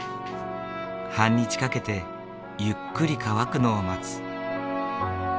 半日かけてゆっくり乾くのを待つ。